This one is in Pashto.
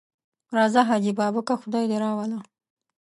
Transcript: راځه حاجي بابکه خدای دې راوله.